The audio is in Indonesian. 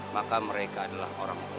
maka mereka adalah orang orang yang